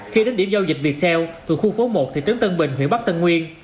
khi đến điểm giao dịch viettel thuộc khu phố một thị trấn tân bình huyện bắc tân nguyên